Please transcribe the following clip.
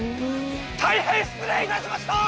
大変失礼いたしました！